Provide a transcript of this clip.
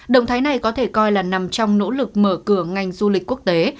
động thái này có thể coi là nằm trong nỗ lực mở cửa ngành du lịch quốc tế